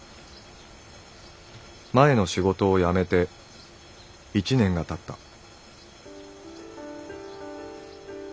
「前の仕事をやめて１年が経った」。